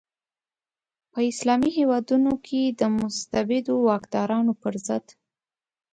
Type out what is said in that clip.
په اسلامي هیوادونو کې د مستبدو واکدارانو پر ضد.